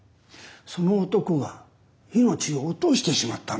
その男が命を落としてしまったんです。